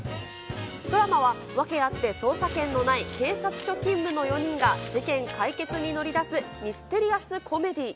ドラマは、訳あって捜査権のない警察署勤務の４人が事件解決に乗り出すミステリアスコメディー。